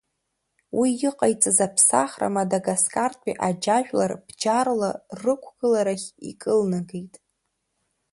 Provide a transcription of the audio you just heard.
Уи иҟаиҵаз аԥсахра Мадагаскартәи аџьажәлар бџьарла рықәгыларахь икылнагеит.